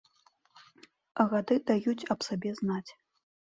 Гады даюць аб сабе знаць.